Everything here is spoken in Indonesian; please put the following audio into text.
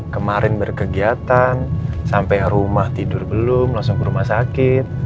kemarin berkegiatan sampai rumah tidur belum langsung ke rumah sakit